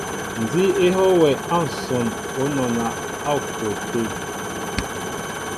Nzi éhoo wɛ a nson o nɔna o ko té.